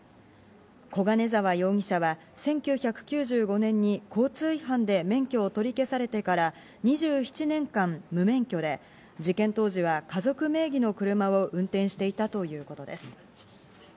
小金沢容疑者は１９９５年に交通違反で免許を取り消されてから２７年間、無免許で事件当時は家族名義の車を運転していたということです。